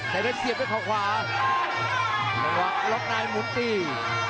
แซร์เวชเสียบแล้วขอควาล็อคมณามุ่นตี